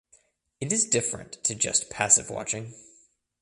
It is different to just passive watching.